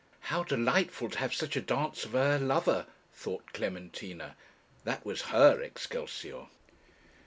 How delightful to have such a dancer for her lover! thought Clementina. That was her 'Excelsior.'